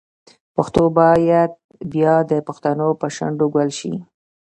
پښتو باید بیا د پښتنو په شونډو ګل شي.